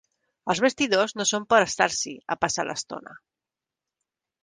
Els vestidors no són per estar-s'hi a passar l'estona.